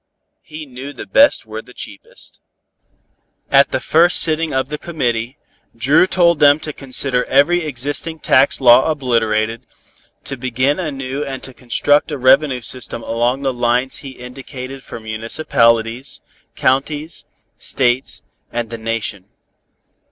He knew the best were the cheapest. At the first sitting of the Committee, Dru told them to consider every existing tax law obliterated, to begin anew and to construct a revenue system along the lines he indicated for municipalities, counties, states and the Nation.